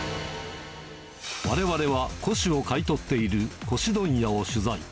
われわれは、古紙を買い取っている古紙問屋を取材。